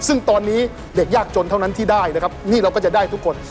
ซึ่งตอนนี้เด็กยากจนเท่านั้นที่ได้นะครับนี่เราก็จะได้ทุกคน